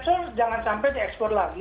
bernilai tersebut jangan sampai diekspor lagi